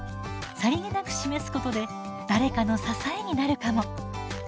さりげなく示すことで誰かの支えになるかも。